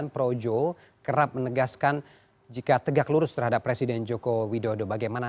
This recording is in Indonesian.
dua ribu dua puluh empat dua ribu dua puluh sembilan projo kerap menegaskan jika tegak lurus terhadap presiden joko widodo bagaimana